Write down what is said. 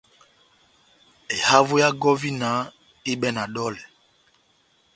Ehavo ya gɔvina ehibɛwɛ na dɔlɛ.